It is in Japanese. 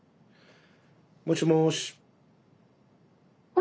もしもし。